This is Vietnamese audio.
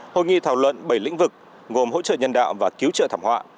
hội nghị thảo luận bảy lĩnh vực gồm hỗ trợ nhân đạo và cứu trợ thảm họa